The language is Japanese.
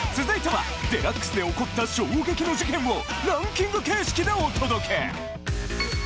続いては、ＤＸで起こった衝撃の事件を、ランキング形式でお届け。